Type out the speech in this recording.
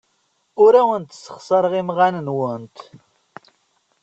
Ur awent-ssexṣareɣ imɣan-nwent.